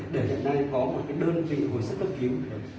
để hiện nay có một cái đơn vị hồi sức tập cứu